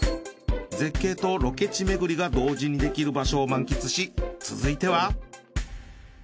絶景とロケ地巡りが同時にできる場所を満喫し続いては。